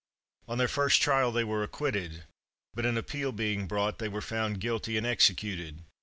On their first trial, they were acquitted, but an appeal being brought, they were found guilty and executed.